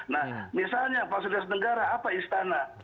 nah misalnya fasilitas negara apa istana